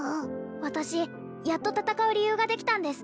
私やっと戦う理由ができたんです